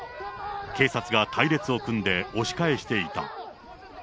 警察が隊列を組んで押し返していた。